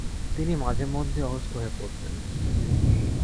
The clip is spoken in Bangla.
তিনি মাঝেমধ্যেই অসুস্থ হয়ে পড়তেন।